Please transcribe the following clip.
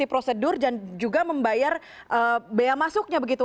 prosedur dan juga membayar bea masuknya begitu